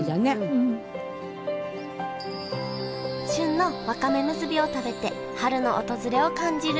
旬のわかめむすびを食べて春の訪れを感じる。